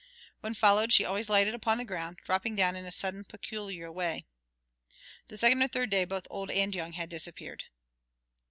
When followed she always alighted upon the ground, dropping down in a sudden peculiar way. The second or third day both old and young had disappeared.